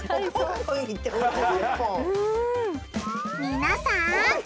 みなさん